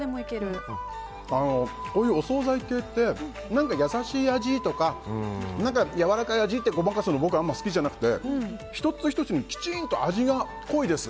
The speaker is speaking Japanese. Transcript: こういうお総菜系って優しい味とかやわらかい味ってごまかすの、僕、好きじゃなくて１つ１つにきちんと味が濃いです。